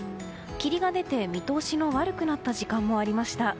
霧が出て見通しが悪くなった時間もありました。